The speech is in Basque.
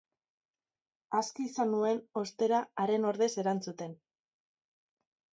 Aski izan nuen, ostera, haren ordez erantzuten.